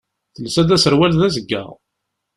Telsa-d aserwal d azeggaɣ.